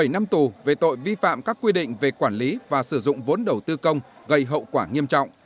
bảy năm tù về tội vi phạm các quy định về quản lý và sử dụng vốn đầu tư công gây hậu quả nghiêm trọng